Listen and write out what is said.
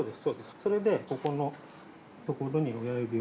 それで、ここのところに親指を◆